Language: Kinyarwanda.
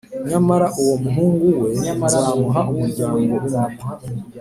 Nyamara uwo muhungu we nzamuha umuryango umwe